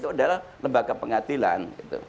itu adalah lembaga pengadilan